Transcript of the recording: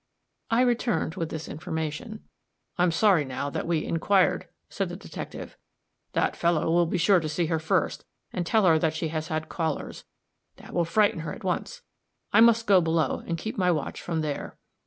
I returned with this information. "I'm sorry, now, that we inquired," said the detective; "that fellow will be sure to see her first, and tell her that she has had callers; that will frighten her at once. I must go below, and keep my watch from there."